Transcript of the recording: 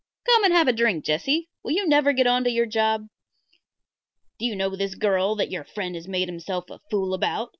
Come and have a drink, Jesse. Will you never get on to your job?" "Do you know this girl that your friend has made himself a fool about?"